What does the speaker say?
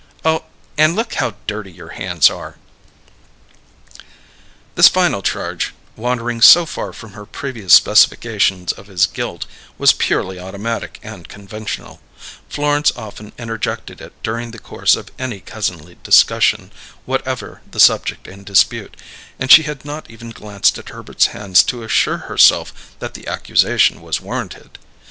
And look how dirty your hands are!" This final charge, wandering so far from her previous specifications of his guilt, was purely automatic and conventional; Florence often interjected it during the course of any cousinly discussion, whatever the subject in dispute, and she had not even glanced at Herbert's hands to assure herself that the accusation was warranted.